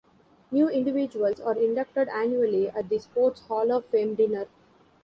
New individuals are inducted annually at the Sports Hall of Fame Dinner.